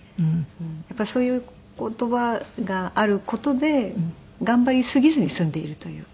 やっぱりそういう言葉がある事で頑張りすぎずに済んでいるというか。